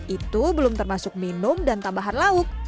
itu belum termasuk minum dan tambahan lauk